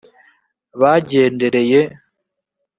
bagendereye